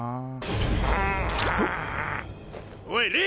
おい！